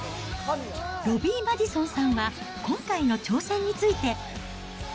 ロビー・マディソンさんは、今回の挑戦について。